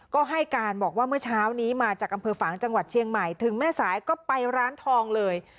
ก็ให้การบอกว่าเมื่อเช้านี้มาจากอำเภอฝางจังหวัดเชียงใหม่ถึงแม่สายก็ไปร้านทองเลย